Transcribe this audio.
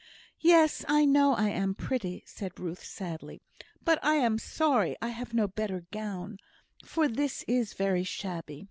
"Yes! I know I am pretty," said Ruth, sadly, "but I am sorry I have no better gown, for this is very shabby.